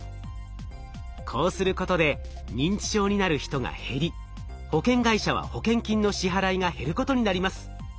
こうすることで認知症になる人が減り保険会社は保険金の支払いが減ることになります。